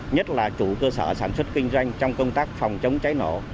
nhất là chủ cơ sở sản xuất kinh doanh trong công tác phòng chống cháy nổ